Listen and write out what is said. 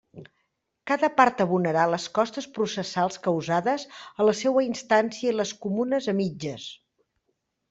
Cada part abonarà les costes processals causades a la seua instància i les comunes a mitges.